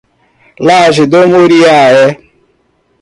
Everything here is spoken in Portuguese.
Laje do Muriaé